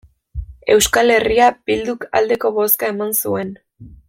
Euskal Herria Bilduk aldeko bozka eman zuen.